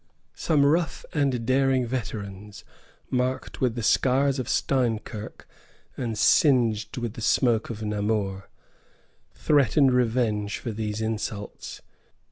Some rough and daring veterans, marked with the scars of Steinkirk and singed with the smoke of Namur, threatened vengeance for these insults.